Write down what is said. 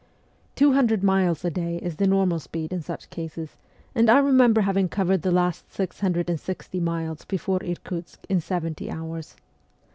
Two hundred miles a day is the normal speed in such cases, and I remember having covered the last 660 miles before Irkutsk in seventy hours.